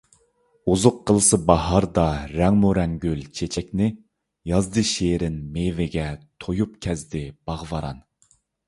ئۇزۇق قىلسا باھاردا رەڭمۇرەڭ گۈل - چېچەكنى، يازدا شېرىن مېۋىگە تويۇپ كەزدى باغ - ۋاران.